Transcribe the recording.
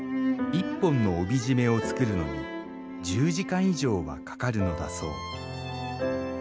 １本の帯締めを作るのに１０時間以上はかかるのだそう。